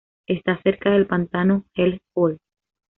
Está cerca del Pantano Hell Hole.